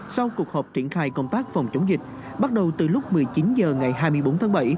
sau cuộc họp triển khai công tác phòng chống dịch bắt đầu từ lúc một mươi chín h ngày hai mươi bốn tháng bảy